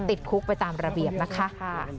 ติดคุกไปตามระเบียบนะคะ